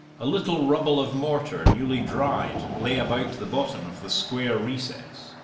A little rubble of mortar, newly dried, lay about the bottom of the square recess.